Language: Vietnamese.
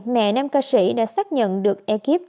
mẹ nam ca sĩ đã xác nhận được ekip